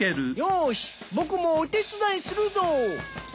僕もお手伝いするぞ！